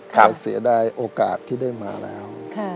เสียดายโอกาสที่ได้มาแล้ว